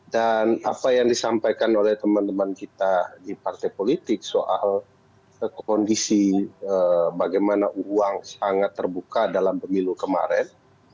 dan apa yang disampaikan oleh teman teman kita di partai politik soal kondisi bagaimana uang sangat terbuka dalam pemilu kemarin